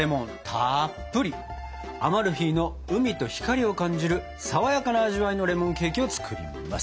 アマルフィの海と光を感じるさわやかな味わいのレモンケーキを作ります！